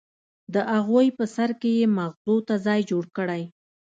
د اغوئ په سر کې يې ماغزو ته ځای جوړ کړی.